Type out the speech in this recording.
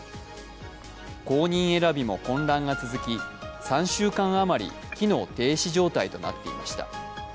後任選びも混乱が続き、３週間あまり機能停止状態となっていました。